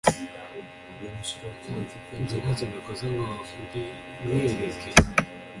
Nge ntacyo nta koze ngo mbi mwereke